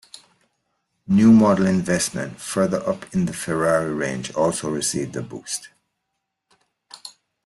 New model investment further up in the Ferrari range also received a boost.